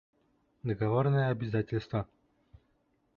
Договорные обязательства